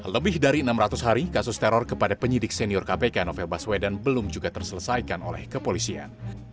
lebih dari enam ratus hari kasus teror kepada penyidik senior kpk novel baswedan belum juga terselesaikan oleh kepolisian